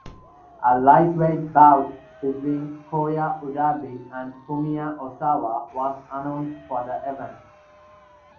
A lightweight bout between Koya Urabe and Fumiya Osawa was announced for the event.